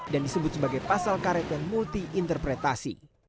dan disebut sebagai pasal karet dan multi interpretasi